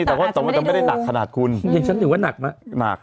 แต่ว่าตอนนี้ก็ไม่ได้หนักขนาดคุณอย่างฉันถึงว่านักมากมาก